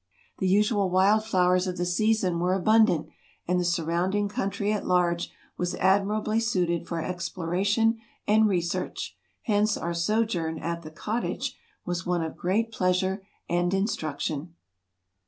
The usual wild flowers of the season were abundant and the surrounding country at large was admirably suited for exploration and research; hence our sojourn at the "Cottage" was one of great pleasure and instruction.